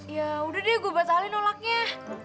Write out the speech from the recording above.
ya udah deh gue bakalin nolaknya